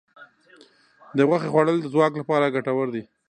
د غوښې خوړل د ځواک لپاره ګټور دي.